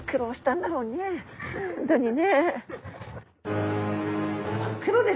本当にね。